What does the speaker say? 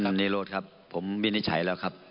นิโรธครับผมวินิจฉัยแล้วครับ